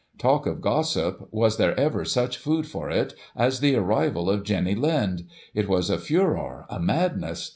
Talk of Gossip, was there ever such food for it as the arrival of Jenny Lind — it was a furore, a madness.